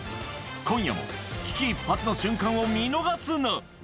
今夜も危機一髪の瞬間を見逃すな！